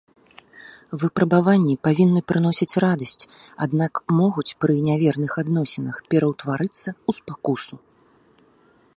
Выпрабаванні павінны прыносіць радасць, аднак могуць пры няверных адносінах пераўтварыцца ў спакусу.